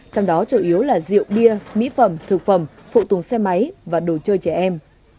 trong đó chủ yếu là rượu bia mỹ phẩm thực phẩm phụ tùng xe máy và đồ chơi trẻ em